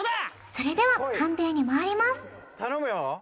それでは判定にまいります頼むよ